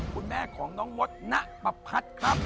คุณแม่ของน้องมดณประพัดครับ